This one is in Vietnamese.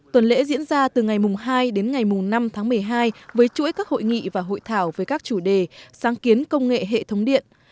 tuần lễ diễn ra từ ngày hai đến ngày năm tháng một mươi hai với chuỗi các hội nghị và hội thảo với các chủ đề sáng kiến công nghệ hệ thống điện